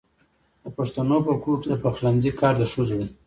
د پښتنو په کور کې د پخلنځي کار د ښځو دی.